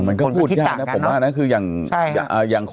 มันก็พูดยากนะผมว่านะคืออย่าง